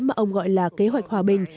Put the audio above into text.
mà ông gọi là kế hoạch hòa bình